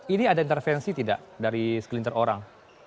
itu sudah ada intervensi tidak dari sekeliling terorang